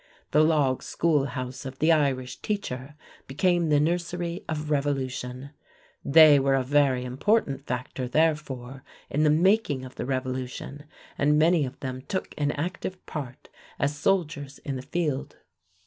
The log schoolhouse of the Irish teacher became the nursery of revolution. They were a very important factor, therefore, in the making of the Revolution, and many of them took an active part as soldiers in the field.